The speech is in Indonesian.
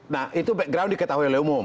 nah itu background di ketahuiwala umum